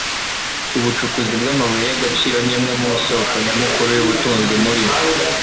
ubucukuzi bw'amabuye y'agaciro ni imwe mu soko nyamukuru y'ubutunzi muri